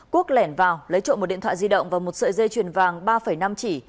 quốc lẻn vào lấy trộm một điện thoại di động và một sợi dây chuyền vàng ba năm chỉ